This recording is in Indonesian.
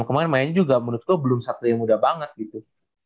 kemaren mainnya juga menurut gue belum satria muda banget gitu